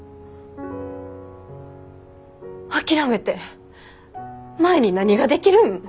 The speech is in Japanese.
諦めて舞に何ができるん？